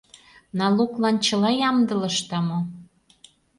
Налоглан чыла ямдылышда мо?